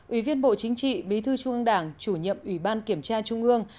ủy viên bộ chính trị bí thư trung ương đảng chủ nhiệm ủy ban kiểm tra trung ương